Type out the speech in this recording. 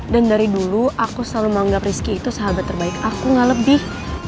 dan dari dulu aku selalu menganggap rizky itu sahabat terbaik aku gak lebih